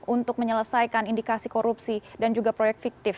untuk menyelesaikan indikasi korupsi dan juga proyek fiktif